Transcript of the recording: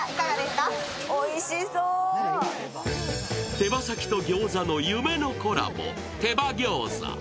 手羽先と餃子の夢のコラボ、手羽餃子。